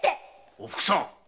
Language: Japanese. おふくさん！